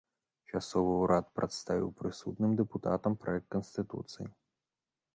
Часовы ўрад прадставіў прысутным дэпутатам праект канстытуцыі.